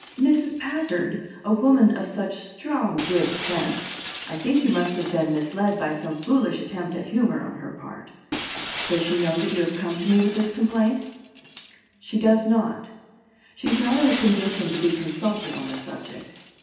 "Mrs. Packard? a woman of such strong good sense! I think you must have been misled by some foolish attempt at humor on her part. Does she know that you have come to me with this complaint?" "She does not. She is not in a condition to be consulted on the subject.